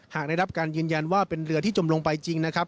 หากได้รับการยืนยันว่าเป็นเรือที่จมลงไปจริงนะครับ